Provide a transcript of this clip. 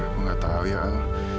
aku gak tau ya al